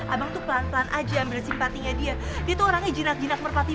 abang tuh pelan pelan aja ambil simpatinya dia dia tuh orangnya jinak jinak merpati